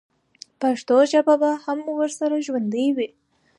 پښتو ژبه به هم ورسره ژوندۍ وي.